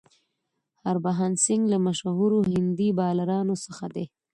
هربهن سنګ له مشهورو هندي بالرانو څخه دئ.